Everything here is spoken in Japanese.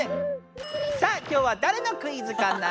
さあ今日はだれのクイズかな？